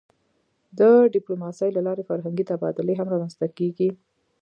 د ډیپلوماسی له لارې فرهنګي تبادلې هم رامنځته کېږي.